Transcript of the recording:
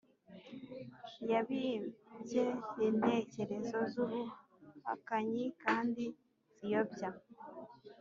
yabibye intekerezo z’ubuhakanyi kandi ziyobya